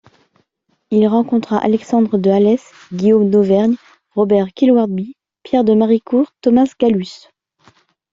Il rencontra Alexandre de Halès, Guillaume d'Auvergne, Robert Kilwardby, Pierre de Maricourt, Thomas Gallus.